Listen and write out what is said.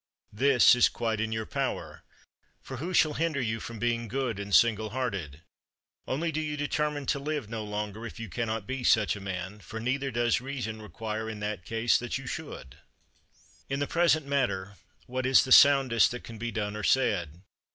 This is quite in your power; for who shall hinder you from being good and single hearted? Only do you determine to live no longer if you cannot be such a man; for neither does reason require, in that case, that you should. 33. In the present matter what is the soundest that can be done or said?